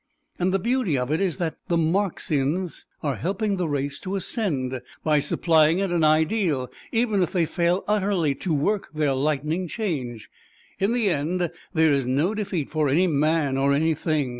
And the beauty of it is that the Marxians are helping the race to ascend, by supplying it an Ideal, even if they fail utterly to work their lightning change. In the end there is no defeat for any man or any thing.